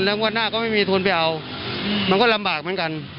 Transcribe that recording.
แล้วงวดหน้าก็ไม่มีทุนไปเอามันก็ลำบากเหมือนกัน